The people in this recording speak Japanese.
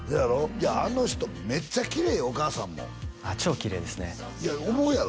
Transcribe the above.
いやあの人めっちゃきれいよお母さんも超きれいですねいや思うやろ？